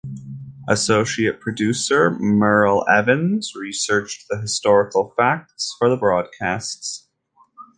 Associate producer Meryle Evans researched the historical facts for the broadcasts.